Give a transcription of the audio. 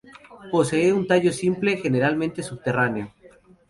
Posee un tallo simple, generalmente subterráneo.